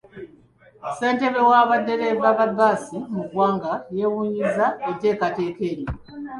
Ssentebe wa baddereeva ba bbaasi mu ggwanga yeewuunyizza enteekateeka eno.